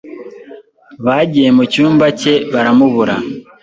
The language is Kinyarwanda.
Bagiye mu cyumba cye baramubura